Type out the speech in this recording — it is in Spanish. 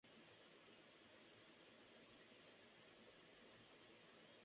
En ocasiones, es usado para eventos no deportivos como conciertos.